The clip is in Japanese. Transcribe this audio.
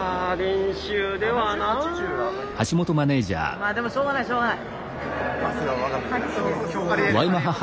まあでもしょうがないしょうがない。